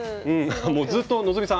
もうずっと希さん